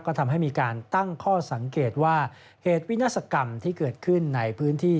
ก็ทำให้มีการตั้งข้อสังเกตว่าเหตุวินาศกรรมที่เกิดขึ้นในพื้นที่